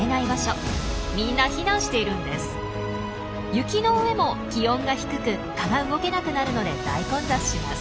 雪の上も気温が低く蚊が動けなくなるので大混雑します。